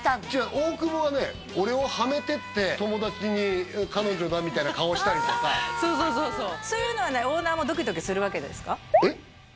大久保はね俺をハメてって友達に彼女がみたいな顔したりとかそうそうそうそうそういうのはオーナーもドキドキするわけですか？